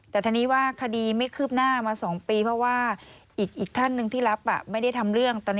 แต่ทีนี้ว่าคดีไม่คืบหน้ามา๒ปีเพราะว่าอีกท่านหนึ่งที่รับไม่ได้ทำเรื่องตอนนี้